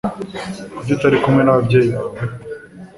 Kuki utari kumwe n'ababyeyi bawe?